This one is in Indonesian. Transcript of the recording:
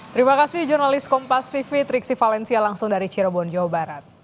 terima kasih jurnalis kompas vivi triksi valencia langsung dari cirebon jawa barat